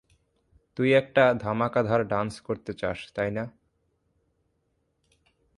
তুই একটা ধামাকা ধার ডান্স করতে চাস, তাই না?